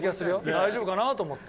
大丈夫かなと思って。